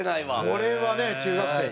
これはね中学生。